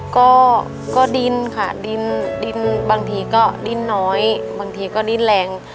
ก็คือดินบางทีก็ดิ้นน้อยบางทีก็ดิ้นแหลง